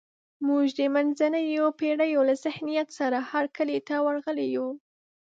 موږ د منځنیو پېړیو له ذهنیت سره هرکلي ته ورغلي یو.